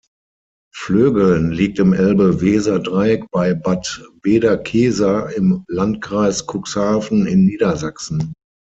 Flögeln liegt im Elbe-Weser-Dreieck bei Bad Bederkesa im Landkreis Cuxhaven in Niedersachsen.